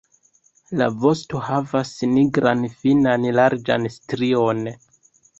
La vosto havas nigran finan larĝan strion.